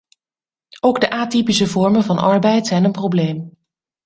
Ook de atypische vormen van arbeid zijn een probleem.